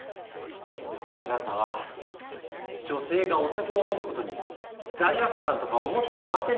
あなたは女性がお酒を飲むことに罪悪感とか思っていませんでしたか？